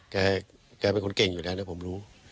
แกเป็นคนเก่งอยู่แล้วนะผมรู้